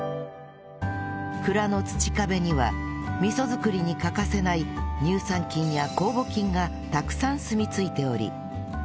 蔵の土壁には味噌づくりに欠かせない乳酸菌や酵母菌がたくさんすみ着いており